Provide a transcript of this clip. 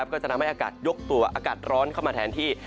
ก็จะทำให้อากาศยกตัวอากาศร้อนเข้ามาแทนที่